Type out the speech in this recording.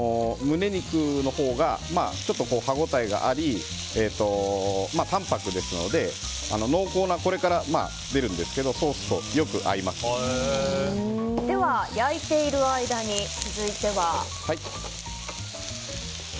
胸肉のほうがちょっと歯応えがあり淡泊ですのでこれから出るんですけど濃厚なソースと焼いている間に続いては？